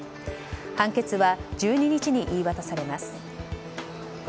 判決は１２日に言い渡されます。